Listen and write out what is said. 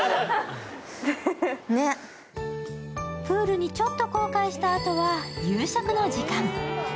プールにちょっと後悔したあとは夕食の時間。